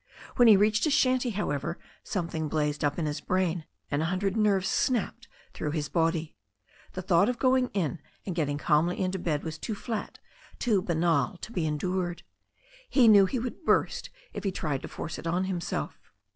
When he reached his shanty, however, something blazed up in his brain, and a hundred nerves snapped through his body. The thought of going in and getting calmly in to bed was too flat, too banal to be endured. He knew he would burst if he tried to force it on himself.